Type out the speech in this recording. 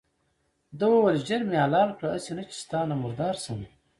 ده وویل ژر مې حلال کړه هسې نه چې ستا نه مردار شم.